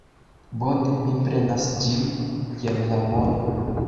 Bone, mi prenas ĝin; jen la mono.